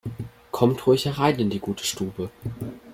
Kommt ruhig herein in die gute Stube!